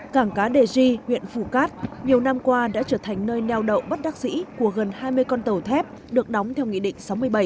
cảng cá đề di huyện phù cát nhiều năm qua đã trở thành nơi neo đậu bất đắc dĩ của gần hai mươi con tàu thép được đóng theo nghị định sáu mươi bảy